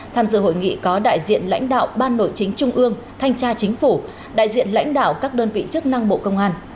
tham dự hội nghị có đại diện lãnh đạo ban nội chính trung ương thanh tra chính phủ đại diện lãnh đạo các đơn vị chức năng bộ công an